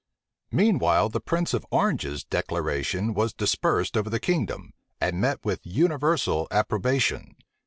Meanwhile the prince of Orange's declaration was dispersed over the kingdom, and met with universal approbation.